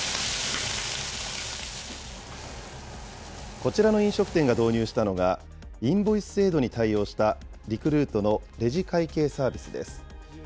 こちらの飲食店が導入したのが、インボイス制度に対応したリクルートのレジ会計サービスです。